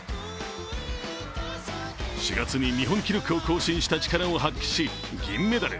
４月に日本記録を更新した力を発揮し、銀メダル。